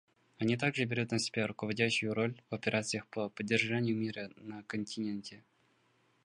Они также берут на себя руководящую роль в операциях по поддержанию мира на континенте.